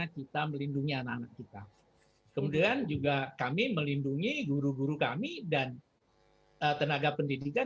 kita melindungi anak anak kita kemudian juga kami melindungi guru guru kami dan tenaga pendidikan